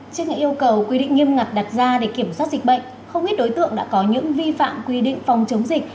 trước những yêu cầu quy định nghiêm ngặt đặt ra để kiểm soát dịch bệnh không ít đối tượng đã có những vi phạm quy định phòng chống dịch